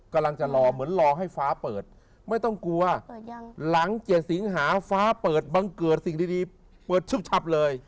กำลังจะรอเหมือนรอให้ฟ้าเปิดไม่ต้องกลัวหลัง๗สิงหาฟ้าเปิดบังเกิดสิ่งดีเปิดชึบชับเลย